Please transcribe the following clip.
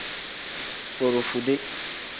Borofude.